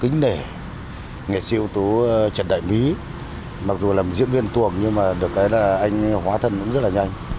kính nể nghệ sĩ ưu tú trần đại mỹ mặc dù là một diễn viên tuồng nhưng mà được cái là anh hóa thân cũng rất là nhanh